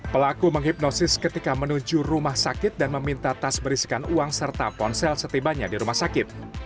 pelaku menghipnosis ketika menuju rumah sakit dan meminta tas berisikan uang serta ponsel setibanya di rumah sakit